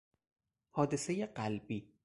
حادثهی قلبی